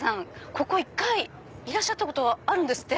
ここ１回いらしたことあるんですって？